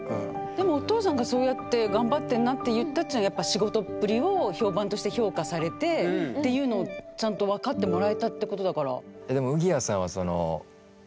でもお父さんがそうやって「頑張ってんな」って言ったっていうのはやっぱっていうのをちゃんと分かってもらえたってことだから。